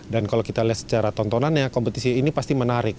dan kalau kita lihat secara tontonannya kompetisi ini pasti menarik